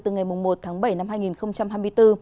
từ ngày một tháng bảy năm hai nghìn hai mươi bốn